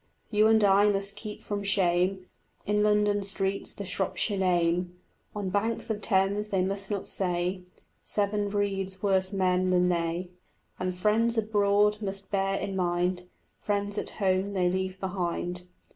You and I must keep from shame In London streets the Shropshire name; On banks of Thames they must not say Severn breeds worse men than they; And friends abroad must bear in mind Friends at home they leave behind.